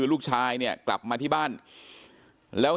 เป็นมีดปลายแหลมยาวประมาณ๑ฟุตนะฮะที่ใช้ก่อเหตุ